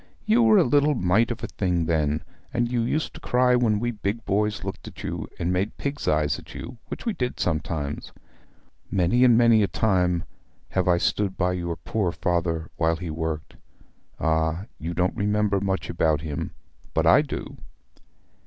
You were a little mite of a thing then; and you used to cry when we big boys looked at you, and made pig's eyes at you, which we did sometimes. Many and many a time have I stood by your poor father while he worked. Ah, you don't remember much about him; but I do!'